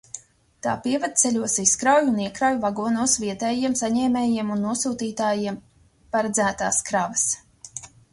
Tā pievedceļos izkrauj un iekrauj vagonos vietējiem saņēmējiem un nosūtītājiem paredzētās kravas.